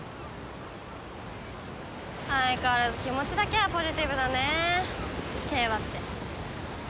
相変わらず気持ちだけはポジティブだねえ景和って。